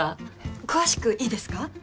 詳しくいいですか？